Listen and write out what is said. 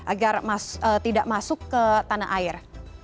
agar tidak masuk ke tanah air